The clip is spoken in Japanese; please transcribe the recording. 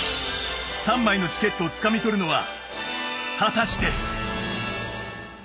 ３枚のチケットをつかみ取るのは果たして。